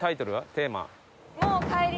テーマ。